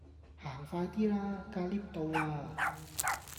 行快 D 啦！架 𨋢 到啦